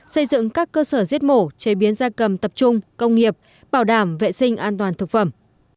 xây dựng các cơ sở giết mổ chế biến da cầm tập trung công nghiệp bảo đảm vệ sinh an toàn thực phẩm